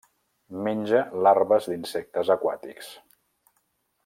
Menja larves d'insectes aquàtics.